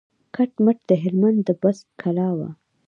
کټ مټ د هلمند د بست کلا وه.